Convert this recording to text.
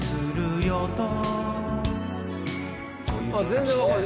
全然分かる！